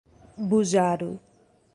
Bujaru